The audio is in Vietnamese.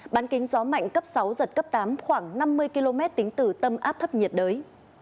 bán kính gió mạnh cấp sáu giật cấp tám khoảng năm mươi km tính từ tâm áp thấp nhiệt đới